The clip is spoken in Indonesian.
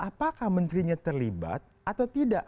apakah menterinya terlibat atau tidak